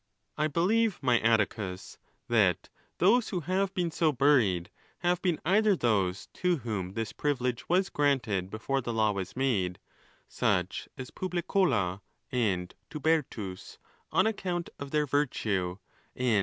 —I believe, my Atticus, that those who have inet so buried, have been either those to whom this privilege was granted before the law was made, such as Publicola and Tubertus, on account of their virtue, amd.